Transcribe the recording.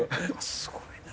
すごいね。